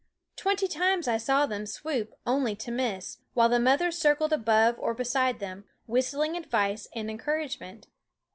Twenty times I saw them swoop only to miss, while the mother circled above or beside them, whistling advice and encouragement.